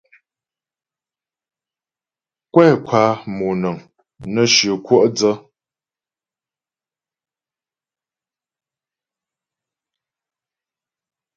Kwɛ kwa moŋəŋ nə́ shyə kwɔ' dsə.